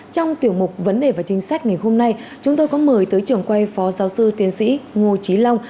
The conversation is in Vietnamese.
trong tiểu mục vấn đề và chính sách ngày hôm nay chúng tôi có mời tới trường quay phó giáo sư tiến sĩ ngô trí long